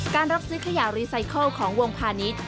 รับซื้อขยะรีไซเคิลของวงพาณิชย์